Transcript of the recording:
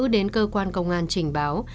đến cơ quan công an trình báo